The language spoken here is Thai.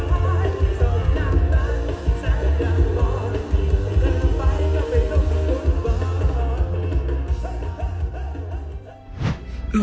แล้วแล้วแล้ว